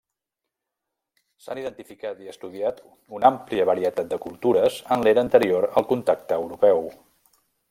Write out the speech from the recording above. S'han identificat i estudiat una àmplia varietat de cultures en l'era anterior al contacte europeu.